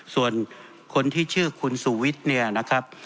ส่วนคนที่ชื่อคุณสุวิทย์เนี่ยนะครับ